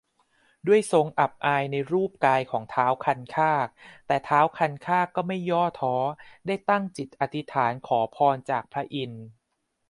ด้วยทรงอับอายในรูปกายของท้าวคันคาก แต่ท้าวคันคากก็ไม่ย่อท้อ ได้ตั้งจิตอธิษฐานขอพรจากพระอินทร์